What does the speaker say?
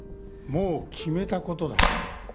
もう決めた事だ。